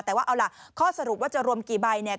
แต่ว่าเอาล่ะข้อสรุปว่าจะรวมกี่ใบเนี่ย